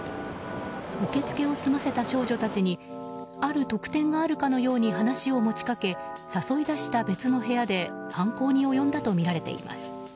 受け付けを済ませた少女たちにある特典があるかのように話を持ち掛け誘い出した別の部屋で犯行に及んだとみられています。